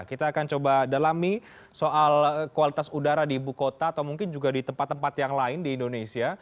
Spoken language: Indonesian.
kita akan coba dalami soal kualitas udara di ibu kota atau mungkin juga di tempat tempat yang lain di indonesia